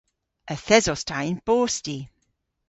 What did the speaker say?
Yth esos ta yn bosti.